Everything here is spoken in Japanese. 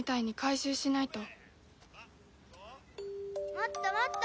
もっともっと！